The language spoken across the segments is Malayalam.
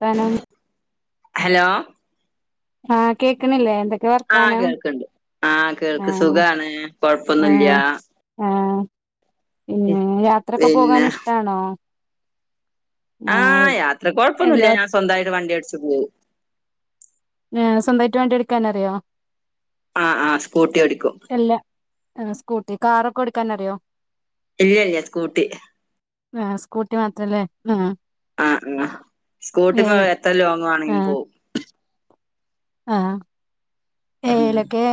താനം ഹലോ ആഹ് കേക്ണില്ലേ എന്ത ക്കെ ആഹ് വർത്താനം കേൾക്ക്ണ്ട് ആഹ് കേൾക്ക് ആഹ് സുഖാണ് ആ കൊഴപ്പൊന്നുല്ല ആ പിന്നെ യാത്രയൊക്കെ പോകാൻ പിന്നെ ഇഷ്ടാണോ? ഏഹ് ആഹ് യാത്ര എല്ലാ കുഴപ്പൊന്നുംല്ല ഞാ സ്വന്തായിട്ട് വണ്ടി ഓടിച്ചു പോവും. ഏ സ്വന്തായിട്ട് വണ്ടി ഓടിക്കാനറിയോ? ആഹ് ആ സ്കൂട്ടി ഓടിക്കും. ഏ സ്കൂട്ടി കാറൊക്കെ ഓടിക്കാനറിയോ? ഇല്ല്യല്ല്യ സ്കൂട്ടി. ആ സ്കൂട്ടി മാത്രല്ലേ ആ. ആഹ് ആ സ്കൂട്ടിമ്മെ എത്ര ലോങ് വാണെങ്കിലും ആഹ് പോവും. ആഹ് ഉം ഏലക്കെ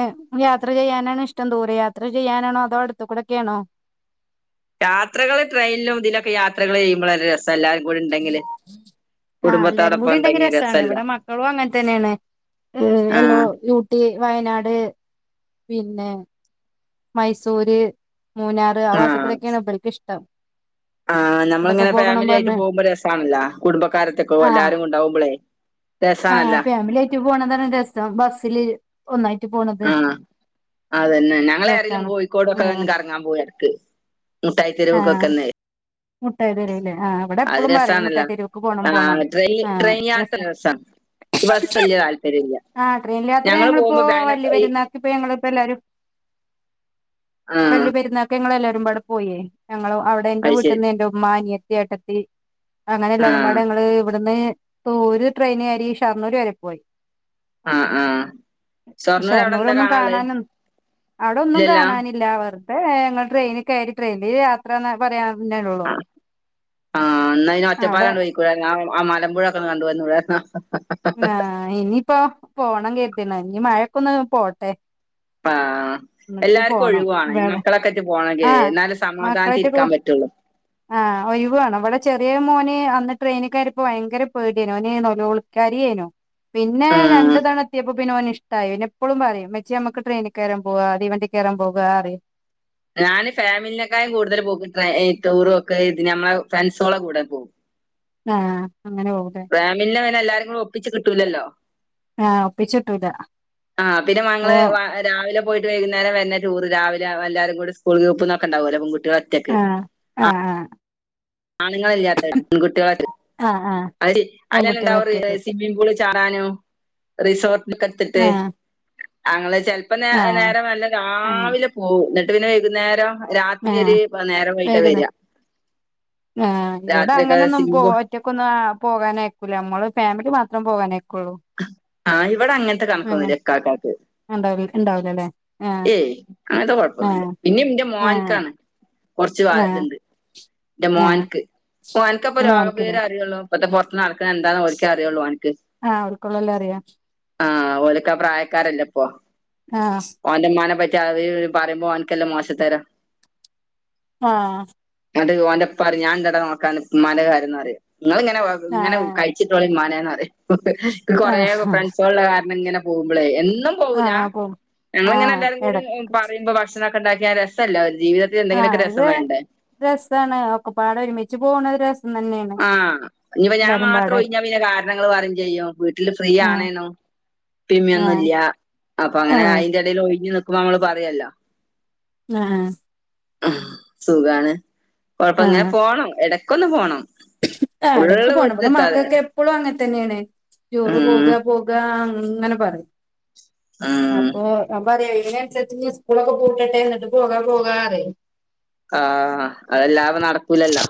യാത്ര ചെയ്യാനണോ ഇഷ്ടം ദൂരെ യാത്ര ചെയ്യാനാണോ അതോ അടുത്ത കൂടെക്കെണോ? യാത്രകള് ട്രെയിനിലും ഇതിലൊക്കെ യാത്രകള് ചെയ്യുമ്പളല്ലെ രസ് ആഹ് എല്ലാരും കുടുംബത്തോടൊപ്പം കൂടി ഇണ്ടെങ്കി രസാണ്. രസല്ലേ ഇവിടെ മക്കളും അങ്ങനെ തന്നേണ്. ഉം ആഹ് എല്ലോ ഊട്ടി വയനാട് പിന്നെ മൈസൂര്. മൂന്നാറ് ആവാത്ത്ക്കൂടൊക്കേണ് ഇബൽക്ക് ഇഷ്ടം. ആ ഇവിടൊക്കെ നമ്മളിങ്ങനെ പോകണം ഫാമിലി ആയിട്ട് പറഞ്ഞ് പോവുമ്പോ രസാണല്ല കുടുംബക്കാരത്ത്ക്കു ആഹ് എല്ലാരും കൊണ്ടോവുമ്പളേ. ആഹ് ഫാമിലി ആയിട്ട് പോണതാണ് രസം ബസ്സില് ഒന്നായി ആഹ് അതന്നെ ഞങ്ങളേറെങ്കിലും രസാണ് കോയിക്കോടൊക്കെ ആഹ് ഒന്ന് കറങ്ങാൻ പോവും എടക്ക്. ആഹ് മുട്ടായിത്തെരുവ്ക്കൊക്കെന്നേയ് മുട്ടായി തെരുവ് ലേ ആ ഇവിടെ എപ്പളും പറയും രസാണല്ലോ മുട്ടായ് തെരുവ്ക്ക് പോണം ആഹ് പോണംന്ന്. ട്രെയിൻ ആ ട്രെയിൻ യാത്ര രസാ രസാണ് ഇക്ക് ബസ് വല്യ താല്പര്യല്ല ആ ട്രെയിൻ ല് യാത്ര ഞങ്ങള് ഞങ്ങളിപ്പോ പോകുമ്പോ വല്യ ബാനൊക്കെ ഈ പെരുന്നാക്ക് ഇപ്പോ ഞങ്ങള് ഇപ്പ എല്ലാരും ആഹ് വല്യപെരുന്നാക്ക് ഞങ്ങളല്ലാരും പാടെ പോയേ. ഞങ്ങളും അവിടെ എന്റെ അത് ശരി വീട്ട്ന്ന് എന്റെ ഉമ്മ അനിയത്തി ഏട്ടത്തി അങ്ങനെ ആഹ് എല്ലാവരുംപാടെ ഞങ്ങള് ഇവിടുന്ന് തൂര് ട്രെയിന് കേറി ഷൊർണൂര് വരെ പോയി. ആ ആ ഷൊർണൂരൊന്നും കാണാന് അവിടൊന്നും, ഇല്ലല്ലോ കാണാനില്ല പർ പേ ഞങ്ങള് ട്രെയ്‌ന് കേറി ട്രെയിൻല് ഒര് യാത്ര പറയാ ആ ഇന്നയ്ന് അവിടെ ഒറ്റപ്പാലാണ്ട് പൊയ്ക്കൂടേ [unintelligible] ആ ആ മലമ്പുഴൊക്കെ കണ്ടുവന്നൂടാര്ന്നോ ഇഞ്ഞ് മഴക്കൊന്ന് പോട്ടെ. ആ. എന്നിട്ട് എല്ലാർക്കും പോണം ഒഴിവുവാണം ഇവിടെ മക്കളൊക്കേറ്റ് പോണങ്കി ആ ഇന്നാലെ സമാധാനത്തിരിക്കാൻ പറ്റുള്ളൂ ആഹ് ഒയ് വ് വാണം ഇവടെ ചെറിയ മോന് അന്ന് ട്രെയിനി കേറിയെപ്പോ വയങ്കര പേടിയെന്നി ഓന് നോലോളി കരയേനു പിന്നെ ആഹ് രണ്ടു താണെത്തിയപ്പോ പിന്നെ ഓന് ഇഷ്ടായി പിന്നെപ്പളും പറയും ഇമ്മച്ചിയെ ഞമ്മക്ക് ട്രെയിനിക്കേറാൻ പോവാ തീവണ്ടി കേറാൻ പോകാറിം ഞാന് ഫാമിലിനെക്കാലും കൂടുതൽ പോക്ക് ട്ര എ ടൂർ പോക്ക് ഇത് നമ്മളെ ഫ്രണ്ട്‌സോളെ കൂടെ പോവും ആഹ് അങ്ങനെ പോവും ലെ. ന്നെല്ലാരും, കൂടെ, ഒപ്പിച്ച് കിട്ടൂല്ലല്ലോ. ആഹ, ഒപ്പിച്ചിട്ടു ആ, പിന്നെ മങ്ങൾ, വ, രാവിലെ പോയിട്ട്, വൈകുന്നേരം, വര്ണ, ടൂർ, ര എല്ലാരുംകൂടെ, സ്കൂൾ ഗ്രൂപ്പിന്നൊക്കെണ്ടാവൂലോ, പെൺകുട്ടിയാളൊറ്റക്ക്, ആ ആ ആണുങ്ങളല്ലാത്ത, പെൺകുട്ടികള [unintelligible] ആ ആ പെൺകുട്ടികൾ ഒറ്റക്ക് [unintelligible] സ്വിമ്മിംഗ് പൂള് ചാടാഞ്, റിസോർട്ടൊക്കെ ആഹ് [unintelligible] ചെലപ്പോ, ന, ആഹ് നേരെ നല്ല, അങ്ങനെ രാവിലെ പോവും, ന്നട്ട്, പിന്നെ വൈകുന്നേരം രാത്രില്, ആഹ് നേരം, വയ്കിട്ട വര ആ, ഇവടെ ങ്ങനൊന്നും, പൊ, ഒറ്റക്കൊന്നും, അ, പോവനയ്ക്കൂല, മ്മള്, ഫാമിലി,, മാത്രം, പോവാ [unintelligible] ആഹ് ഇവിടെ, അങ്ങനത്തെ, കണക്കൊന്നുംല്ലക്കാക്കാക്ക്. ഉണ്ടാവ ഉണ്ടാവൂലല്ലേ ആഹ് ഏയ്, അങ്ങനെത്തെ, കൊയപ്പൊന്നുല്ല, ആഹ് പിന്നെന്റെ ആഹ് മോൻക്കാണ്, കൊർച്ച് വ, ത്, ആഹ് ണ്ട് ന്റെ ആഹ് മോന്ക്, മോൻക്കാപ്പോ, ലോക മോൻക്ക്ല്ലേ വിവരം, അറിയുള്ളു, പ്പോത്തെ എന്താന്ന്, ഓർക്കേ, അറിയുള്ളു, ഓന്ക് ആഹ് അവൾക്കൊള്ളല്ലേ അറിയാ ആ, ഓലൊക്കാ, പ്രായക്കാരല്ലെപ്പൊ. ആ. ഓന്റെമ്മാനെ പറ്റി, അത് ത്, പറയുമ്പോൻക്കല്ലേ, മോഷത്തരം. ആഹ. ന്നട്ട്, ഓന്റെപ്പറിയും, ഞാണ്ടെടാ നോക്കാന്, മ്മാന്റെ കാര്യംന്നറിയും, ങ്ങള്, ങ്ങനെ, ങ്ങനെ, ആഹ് കയ്ച്ചിട്ടോളി, മ്മാനെ റിയും, ഹ്, ഹഹ്, ഹ്, കൊറയെ, ആഹ് ഫ്രണ്ട്‌സൊള്ള്ള കാരണം, ങ്ങനെ, പോവുമ്പളെ, എന്നും പോവൂല ആഹ് പോവും ഞങ്ങളിങ്ങനെ, ആഹ് എല്ലാരും, കൂടി എടക്ക് പറയുമ്പോ, ഭക്ഷണൊക്കെ ണ്ടാക്കിയ, രസല്ലേ ആ, അത്, രസമാണ്, ഒക്കെപ്പാട, ഒരുമിച്ച് പോണേ രസാ ആഹ്, ഇപ്പ ഞാൻ മാത്രം, പാടെ ഒയ്ഞ്ഞപിന്നെ, കാരണങ്ങള്, പറയുംചെയ്യും, വീട്ടില് ഫ്രീ ആണ് ആഹ് [unintelligible] പ്പേം, മ്മേം ആഹ് ന്നുല്ല, അപ്പൊ അങ്ങനെ, ആഹ് അയ്‌ന്റെടേയിൽ, ഒഴിന്ന്ക്കുമ്പോ, മ്മള് പറയോല്ലോ ആഹ. സുഖാണ്, കൊഴപ്പ ആഹ് ഇങ്ങനെ പോണം, ഇടക്കൊന്ന് പോണം. ആ, ഇടക്ക് ഫുള്ള് പോണം, വീട്ടിൽ ഇവടെ നിക്കാതെ മക്കക്ക് എപ്പളും അങ്ങനെതന്നെണ്, ടൂർ പോക, ഉം പോക അങ്ങനെ പറയും, ഉം അപ്പൊ, പ അതിനനുസരിച്ച്, ന്ന് സ്കൂളൊക്കെ പൂട്ടട്ടെ, ന്നിട്ട്, പോകാ, പോകാറയും ആഹ, അതെല്ലാപ്പൊ, നടക്കൂലല്ലോ,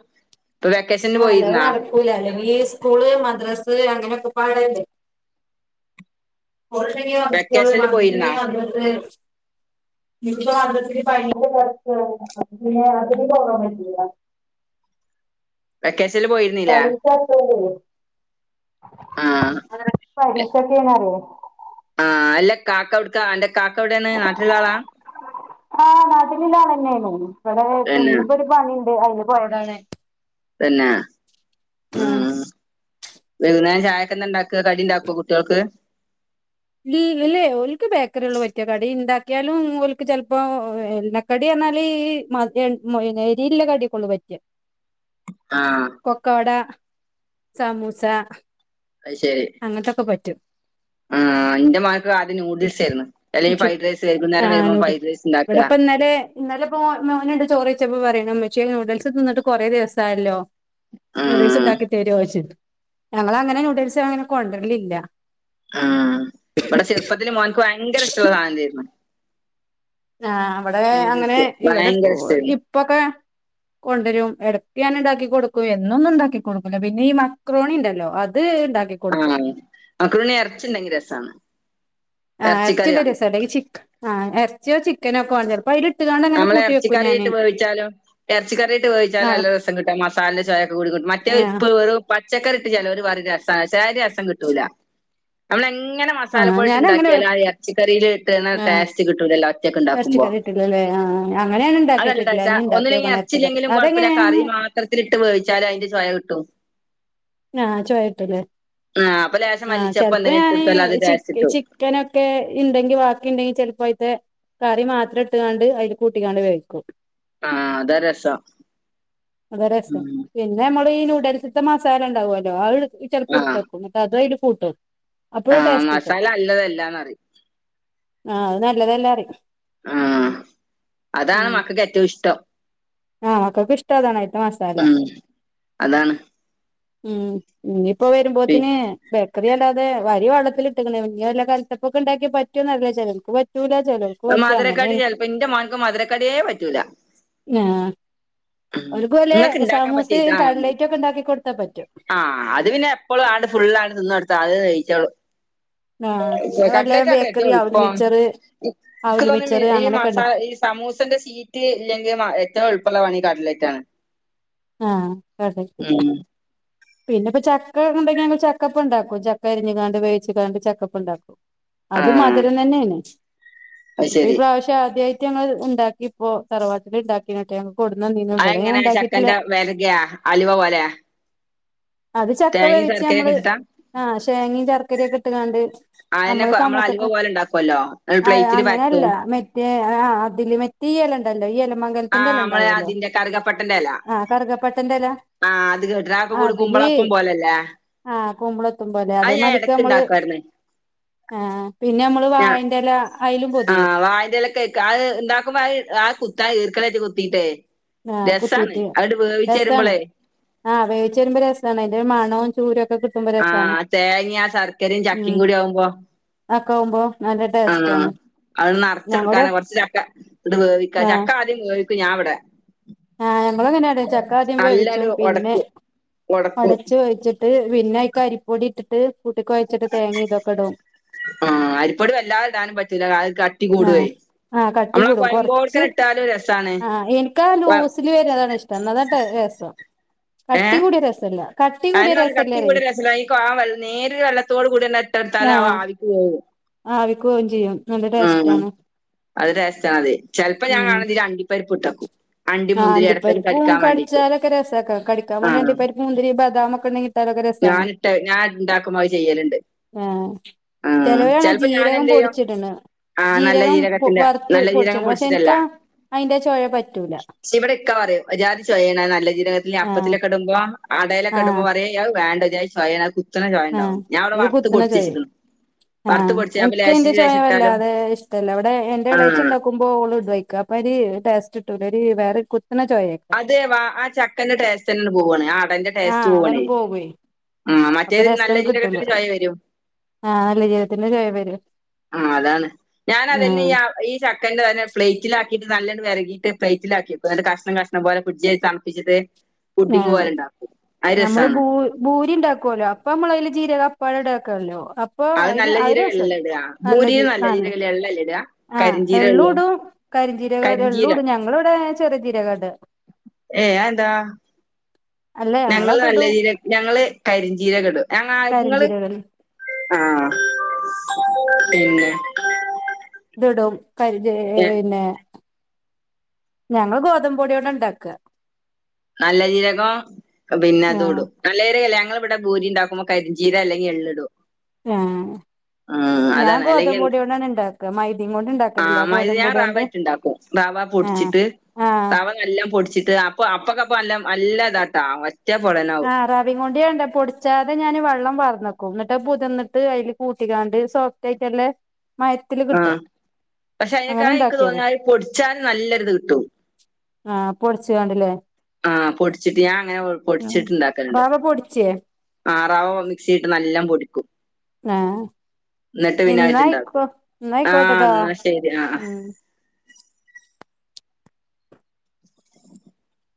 ഇപ്പൊ, വെക്കേഷന്, ആ അല്ലാതെ പോയിരുന്നാ. നടക്കൂല അല്ലെങ്കിൽ ഈ, സ്കൂള്, മദ്രാസ് അങ്ങനെയൊക്കെ പാടല്ലേ. [unintelligible] മദ്രസ് ണ്ടേല്, വെക്കേഷനിൽ മദ്രസ് പോയിരുന്നാ [unintelligible] മദ്രസ് [inaudible] പറ്റൂല. വെക്കേഷനിൽ പോയിരുന്നില്ലേ പരീഷ [inaudible] ആ ആ [unintelligible] അല്ല കാക്ക എവിടുക്കാ അന്റെ കാക്ക എവിടെയാണ് നാട്ടിലുള്ളയാളാ ആ നാട്ടിലുള്ള ആളന്നെയാണ് ഇവിടെ ഇന്നിപ്പോ ഒരു പണിയുണ്ട് അതിന് പോയതാണ് പിന്നെ ആ ഉം വൈകുന്നേരം ചായക്ക് എന്താ ഉണ്ടാക്ക കടി ഉണ്ടാക്കുവോ കുട്ടികൾക്ക് ഇല്ലേ ഒല്ക്ക് ബേക്കറി ഉള്ള പറ്റിയ കടി ഉണ്ടാക്കിയാലും ഓലക്ക് ചെലപ്പോ എണ്ണക്കടിയ പറഞ്ഞാല് മധു എരുവുള്ള കടിയൊക്കെ ഓർക്ക് പറ്റൂല ആഹ് പക്കോട സമോസ അത് ശരി ആ ആന്റ മകൾക്ക് ആദ്യം നയൂഡിൽസ് ആയിരുന്നു അല്ലെങ്കിൽ ഫ്രൈഡ് റൈസ് ആ വൈകുന്നേരം വരുമ്പോ ഫൈഡ്റൈസ് ഉണ്ടാക്കുക ഇന്നലെയിപ്പോ മോനുണ്ട് ചോറി വച്ചപ്പോ പറയ- ഉമ്മച്ചി നൂഡിൽസ് തിന്നിട്ട് കുറെേ ദിവസം ആയല്ലോ നൂഡിൽസ് ആഹ് ഉണ്ടാക്കി തരുമോെ ചോദിച്ചി ഞങ്ങൾ അങ്ങനെ നൂഡിൽസ് അങ്ങനെ കൊണ്ട് വരലില്ല ആ ഇവിടെ ചെറുപ്പത്തില് മോനക്ക് ഭയങ്കര ഇഷ്ടമുള്ള സാധനം ആയിരുന്നു ആ അവിടെ അങ്ങനെ നൂഡിൽസ് ഇവിടെ ഭയങ്കര ഇഷ്ടായിരുന്നു ഇപ്പൊക്കെ കൊണ്ടരും എട്ക്ക് ഞാൻ ഇതാക്കി കൊട്ക്കും എ എന്നൊന്നും ഇണ്ടാക്കി കൊട്ക്കുലാ. പിന്നെ ഈ മക്രോണി ഇണ്ടല്ലോ അത് ഇണ്ടാക്കി കൊടുക്കും ആഹ് മക്രോണി എർച്ചി ഇണ്ടെങ്കി രസാണ് ആഹ് എറച്ചി എറച്ചിക്കറി ഇണ്ടെങ്കി വാങ്ങും രസാട്ടൊ അല്ലെങ്കി ചിക്ക ആഹ് എർച്ചിയോ ചിക്കനോ ഒക്കെ വാണം ചലെപ്പോ അയിൽ നമ്മെൾ എർച്ചിക്കറി ഇട്ട് വേവിച്ചാലും എർച്ചിക്കറിയിട്ട് ആ വേവിച്ചാലും നല്ല രസം കിട്ടാ മസാലെന്റെ ചൊയ ഒക്ക കൂടി കിട്ടും മറ്റെയ് ഇപ്പ് ഒര് പച്ചക്കറി ഇട്ട് ചെലോര് പറിം രസാ ഷെ അയ് രസം കിട്ടുലാ നമ്മെൾ എങ്ങ ങ്ങനെ ആ മസാല പൊടിയിട്ട് ഞാന അങ്ങനെ ഇണ്ടാക്കിയാലും ആ എർച്ചിക്കറിയിൽ ഇട്ട്ണ ടേസ്റ്റ് കിട്ടുലല്ലോ ഒറ്റക്ക് ഇണ്ടാക്കുമ്പോ ഇല്ലലെ ആഹ് അഹ് നല്ല ടെസ്റ്റാ ഒന്നും ഇല്ലെങ്കി ഇറച്ചിക്കറി അർച്ചിയില്ലെങ്കിലും കൊഴ്പ്പ ഇല്ല അതെങ്ങനെയാണ് കറി മാത്രത്തിൽ ഇട്ട് വേവിച്ചാൽ അയിന്റെ ചൊയ കി ട്ടും ആഹ് ചോയ കിട്ടു ലെ ആഹ് അപ്പ ലേഷം ആഹ് ചെൽപ്പം ഞാൻ ചിക്ക ചിക്കനൊക്കെ ഇണ്ടെങ്കി ബാക്കി ഇണ്ടെങ്കി ചെൽപ്പം അയ്ത്തെ കറി മാത്രട്ടുകാണ്ട് അയിൽ കൂട്ടിക്കാണ്ട് വേവ്ക്കും ആ അതാ രസം അതരസം ഉം പിന്ന മ്മ ഈ ന്യൂഡൽസ്റ്റേ മസാലണ്ടാവുവല്ലോ അത് ചെലപ്പോ എടുത്തേക്കും എന്നട്ട് അത് അത്ര് കൂട്ടും അപ്പോഴും ആഹ് ടേസ്റ്റ് മസാല ല്ലതല്ലാന്ന്റയും ആഹ് അത് നല്ലതല്ലറയും ആഹ് അതാണ് മക്കക്ക് ഏറ്റോം ഇഷ്ടം ആഹ് മക്കക്ക് ഇഷ്ടാതാണ് അയില്ത്തെ മസാല ഉം അതാണ് ഉം ഇനി ഇപ്പൊ പി വരുമ്പോത്തിന് ബെ ക്കറി അല്ലതെ വരി വള്ളത്തിലിട്ടകണ് ഇഞ്ഞി വല്ല കല്ത്തപ്പൊക്കെണ്ടാക്കി പറ്റൊന്നറില്ല ചെലർക്ക് പ പറ്റൂല ചെലവർക്ക് പറ്റും മധുരക്കടി അങ്ങനെണ് ചെലപ്പോ എന്റെ മോൻക്ക് മധുരക്കടിയേ പറ്റൂല ആഹ് ഉം. ഓര്ക്ക് വല്ലെ ഇങ്ങക്ക് സമൂസേം കട്ലെറ്റുക്കെ ഉണ്ടാക്കി കൊടുത്തപെ ആഹ് അത് പിന്നെ എപ്പളും ആട് ഫുള് ആണ് തിന്നൊടുത്ത അത്യിച്ചോളും ആഹ് പിന്നെ വല്ല കട്ലറ്റ് അട്ടെ ഏറ്റോം ബേക്കറി അവല് എള്ളുപ്പം മിച്ചറ് ഇക്ക് അവല് തോന്നും മിച്ചറ് ഈ മസ അങ്ങനൊക്കെണ്ട് ഈ സമൂസന്റെ സീറ്റ് ഇല്ലെങ്കി എറ്റോം എളുപ്പള്ള പണി കട്ലെ റ്റാണ്. ആഹ് കട്ലെറ്റ്. പിന്നെ ഇപ്പ ചക്ക ഉണ്ടെങ്കി ഞങ്ങ്ള് ചക്കപ്പം ഉണ്ടാക്കും ചക്ക അരിഞ് ങ്ങാണ്ട് വേച്ച് കാണ്ട് ചക്കപ്പണ്ടാക്കും അത് ആഹ് മധരം തന്നെയാണ് അത് ഇപ്പൊ ഈ ശരി പ്രാവ്ശ്യദ്യയിട്ട് ഞങ്ങള് ഉണ്ടാക്കിപ്പോ തറവാട്ടിൽണ്ടാക്കി മറ്റേ കൊടുന്നന്നിനു ഇവിടെ ഞാൻണ്ടാക്കിട്ടില്ല യ്യ അലുവ പോലെ അത് ചക്ക വേവിച്ച് ഞമ്മള് ഇട്ടിട്ടാ ആഹ് ശേങ്ങേം ചർക്കരെക്കെ ഇട്ടുകാണ്ട് അതെന്നെ നമ്മള് സമൂസക്ക് അലുവ പോലെ ഉണ്ടാക്കുവല്ലോ [unintelligible] പ്ലേറ്റില് അങ്ങനെയല്ല പരത്തും മറ്റെ ആഹ് അതില് മറ്റേഇഎലണ്ടല്ലോ ഈ എല. എലമംഗലത്തിന്റെ ആഹ് മ്മള് ഉണ്ടാവുമല്ലോ അതിന്റെ കറുകപ്പട്ടന്റെല ആഹ് കറുകപ്പട്ടന്റെ എല ആഹ് അത് കേട്ട്. [unintelligible] അതില് കുമ്പളപ്പം പോലല്ലേ? ആഹ് കുമ്പളെത്തും പോലെ അത് ഞാൻ അതേമാതിക്ക് എടക്ക് നമ്മള് ഇണ്ടാക്കുവാർന്ന്. ആഹ് പിന്നെ നമ്മള് ഞാ വാഴന്റെ എല അയിലും പൊതിയും ആഹ് വായൻ്റെലെക്കാക്ക് അത് ഇണ്ടാക്കുമ്പോ അത് ആഹ് കുത്താ ഈർക്കലായിറ്റ് കുത്തീട്ടെ. ആഹ് കുത്തീറ്റ് രസാണ്, വരുമ്പളേ ആഹ് വേവിച്ച് വരുമ്പോ രസാണ് അയ്ന്റെ ഒര മണോം ആഹ് തേങ്ങയും ആ ശർക്കരയും ചക്കേം കൂടി ആവുമ്പോ. ആക്കാവുമ്പോ നല്ല ടേസ്റ്റാണ്. അതൊന്ന് നറച്ചൊടുക്കാനാ കൊറച്ച് ചക്ക ഇണ്ട് വേവിക്ക ആഹ് ചക്ക ആദ്യം വേവിക്കും ഞാൻ ഇവിടെ. ആഹ് ഞങ്ങളും അങ്ങനാണ് ചക്ക ആദ്യം നല്ലട് വേവിച്ചും പിന്നെ ഒടക്കും ഒടക്കും അടച്ച് വേവിച്ചിട്ട് പിന്നെ ആയ്ക്ക് അരിപ്പൊടി ഇട്ടിട്ട് കൂട്ടിക്കൊഴച്ചിട്ട് തേങ്ങേ ഇതൊക്കെ ഇടും. ആഹ് അരിപ്പൊടി വല്ലാതെ ഇടാനും പറ്റൂല്ല അഹ് അത് കട്ടി കൂടുവേ. ആഹ് ആഹ് നമ്മളാ കട്ടിക്കൂടും കൊറച്ച് കൊയമ്പോട്ക്കനെ ഇട്ടാലും രസാണ് ആഹ് എനിക്കാ കൊ ലൂസില് വെര്ന്നതാണ് ഇഷ്ട്ടം അതാണ് രസം. കട്ടി കൂടിയാ രസല്ല. കട്ടി കൂടിയ അതനെപറഞ്ഞെ രസല്ലറേ കട്ടിക്കൂട്യാരസല്ല [unintelligible] [unintelligible] നേരിയ വെള്ളത്തോട് കൂടി തന്ന ഇട്ടൊട്ത്താല് ആ ആവിക്ക് വേവും ക്കേകും ചെയ്യും നല്ല ടെസ്റ്റ്‌ ഉം അത് രസാണ് അത് ചെലപ്പോ ഞാൻ ഉം കാണ ഇതിൽ അണ്ടിപരിപ്പ്ട്ട് ആഹ് അണ്ടിപ്പരിപ്പൂ വേണ്ടീട്ട് കടിച്ചാലൊക്കെ രസാക്കാരം കടിക്കാൻ വേണ്ടി അണ്ടി പപ്പരിപ്പും മുന്തിരി ബദാമൊക്ക ഇണ്ടെങ്കി. ഞാനിട്ടെ ഞാൻ ഇണ്ടാക്കുമ്പോ അത് ചെയ്യല്ണ്ട്. ആഹ് ചെലരാണ ഞാൻ ജീരകം എന്ത് ചെയ്യും പൊടിച്ചിട്ണ്. ആ നല്ല ജീരകം ജീരകത്തിന്റെ വറുത്ത് നല്ല ജീരകം പൊടിച്ചിടും പക്ഷെ പൊടിച്ചിട്ടല്ല എനിക്കാ അതിന്റെ ചൊഴ പറ്റൂല. ഇവിടെ ഇക്കാ പറയും ഒരുജാതി ചോയേണ് നല്ല ജീരകത്തിൽ ആഹ് അപ്പത്തിലക്കെടുമ്പോ അടേലൊക്കെടുമ്പോ ആഹ് പറയും അത് വേണ്ട ഒരുജായി ചോയേണ് അത് കുത്ത്ണ ആഹ് ചൊയണ്ടാവും ഞാൻ ഇവിടെ ഒരു വറുത്ത് കുത്തണ ചൊയെ പൊടിചെച്ചിക്ക്ണ. ആഹ് എനിക്ക്തിന്റെ ചോയവല്ലാതെ ഇഷ്ടല്ല അവിടെ എന്റെ ആ ഇളാച്ചി ഉണ്ടാക്കുമ്പോ ഓള്ട്അയ്ക്ക്. ഒരു ടെസ്റ്റിട്ടൂല ഒരു വേറെ കുത്ത അതെ വാ ആ ചക്കന്റെ ടേസ്റ്റ് ന്നെ പോവാണ് ആ അടന്റെ. ടേസ്റ്റ് ആഹ് പോണ അതാണ് പോവേ ആ മറ്റേത് നല്ല ജീരകത്തിന് ചൊയ വരും. ആഹ നല്ല ജീരകത്തിന്റെ ചൊയാ വരൂ. ആ അതാണ് ഞാനതന്നെ ഈ ആ ഈ ചക്കന്റെ തന്നെ പ്ലേറ്റിലാക്കി. ‌ക്കിട്ട് നല്ലൊണ്ട് വെരകീട്ട് പ്ളെയ്റ്റിലാക്കിവെക്കും ന്നിട്ട് കഷണം കഷണം പോലെ ഫ്ഡ്ജിൽ തണ്പ്പിച്ച്ട്ട്. ആഹ് ഞമ്മള് ഭൂ ഭൂരി ഉണ്ടാക്കുവല്ലോ അപ്പൊ നമ്മള അതില് ജീരക. പഴെടാക്കല്ലോ. അപ്പൊ അത് അയ്ന് നല്ല അയിന് രസ ജീരകല്ലല്ലോ ഇടാ ഭൂരിയിൽ നല്ലജീര ആ നല്ല ജീരകല്ലേ എള്ളല്ലേ ഇടാ ആഹ് കരിഞ്ജീരകല്ലോ എള്ളൂടും. കരിഞ്ചീരകം കരിഞ്ജീരം എള്ളുംടും ഞങ്ങള് ഇവിടെ ചെറിയ ജീരകാട. ഏ ആന്താ. അല്ല ഞങ്ങള് നല്ല ഞങ്ങളതിടും ജീര ഞങ്ങള് കരിഞ്ചീര കെടും ഞങ്ങ ഇങ്ങള്. കരിഞ്ജീരകം ആഹ് പിന്നെ. ടും ഏ, പിന്നെ. ഞങ്ങള് ഗോതമ്പ് പൊടിയോണ്ടാ ഇണ്ടാക്ക. നല്ല ജീരകം പിന്നെ ആഹ് അതോടും നല്ലീജീരകല്ല ങ്ങൾ ഇവിടെ ഭൂരി ഉണ്ടാക്കുമ്പോ കരിഞ്ചീര അല്ലെങ്കിൽ എള്ള് ഇടും. ആ ഞാൻ ഗോതമ്പ്പൊടിയോണ്ടാണ് ഇണ്ടാക്ക മൈ ആഹ മയ് ഞാൻ റാവായ്ട്ട് ഇണ്ടാക്കും റവ ആഹ് പൊടിച്ചിട്ട്. ആഹ് റവ നല്ലോം പൊടിച്ചിട്ട് അപ്പൊ അപ്പൊക്കപ്പം നല്ലോം നല്ല ഇതാട്ടൊ ആ റവികൊണ്ട് ഞൻ ന്താ ‌ പൊടിച്ചാതെ ഞാന് വെള്ളം. പാർന്നക്കും ന്നിട്ട് പൊതിറ്ന്നിട്ട് അതിൽ കൂട്ടിക്കാണ്ട് സോഫ്റ്റായിട്ടല്ലേ. ആഹ് പക്ഷെ അതിനക്കാ അങ്ങനെ എക്ക് ഇണ്ടാക്കിയത് തോന്ന അഅ് പൊടിച്ചാലും നല്ലൊര്ത് കിട്ടും. ആഹ് പൊടിച്ച്കാണ്ട്ല്ലേ. ആഹ് പൊടിച്ചിട്ട് ഞാൻ അങ്ങനെ [unintelligible] ഉം പൊടിച്ചിട്ട് ഇണ്ടാക്കലുണ്ട് റാവ പൊടിച്ചേ ആറാവോ മിക്സിയിലിട്ട് നല്ലോം പൊടിക്കും നാ ഇന്നട്ട് പിന്നെ അത്ട്ട് എന്നായിക്കോ ഇണ്ടാക്കും എന്നായിക്കോട്ടെ ആഹ് ഇന്നാ ശരി ആഹ് ആഹ് [unintelligible]